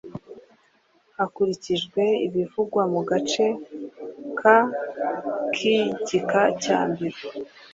hakurikijwe ibivugwa mu gace ka k igika cyambere